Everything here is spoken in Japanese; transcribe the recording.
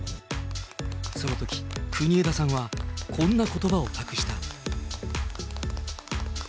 そのとき、国枝さんはこんなことばを託した。